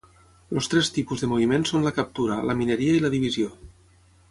Els tres tipus de moviment són la captura, la mineria i la divisió.